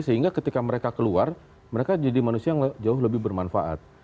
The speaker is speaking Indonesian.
sehingga ketika mereka keluar mereka jadi manusia yang jauh lebih bermanfaat